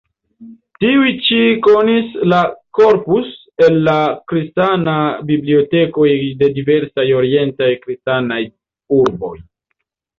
Tiuj ĉi konis la "Corpus" el la kristana bibliotekoj de diversaj orientaj kristanaj urboj.